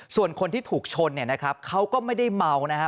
ส่วนคนที่ถูกชนเนี่ยนะครับเขาก็ไม่ได้เมานะครับ